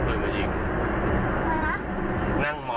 ตอนนี้ก็เปลี่ยนแบบนี้แหละ